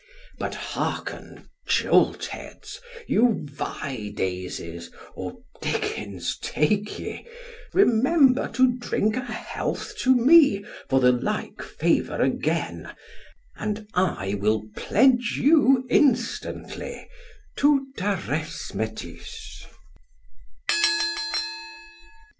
But hearken, joltheads, you viedazes, or dickens take ye, remember to drink a health to me for the like favour again, and I will pledge you instantly, Tout ares metys.